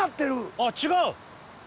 あっ違う？